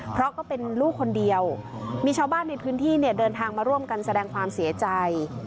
เพราะก็เป็นลูกคนเดียวมีชาวบ้านในพื้นที่เนี่ยเดินทางมาร่วมกันแสดงความเสียใจ